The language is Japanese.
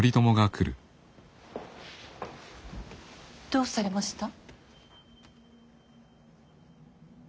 どうされました。